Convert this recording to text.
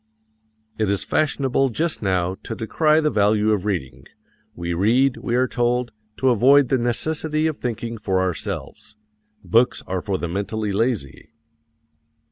It is fashionable just now to decry the value of reading. We read, we are told, to avoid the necessity of thinking for ourselves. Books are for the mentally lazy.